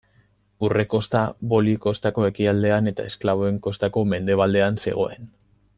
Urre Kosta Boli Kostako ekialdean eta Esklaboen Kostako mendebaldean zegoen.